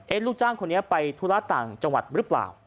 ลูกจ้างคนนี้ไปธุระต่างจังหวัดหรือเปล่า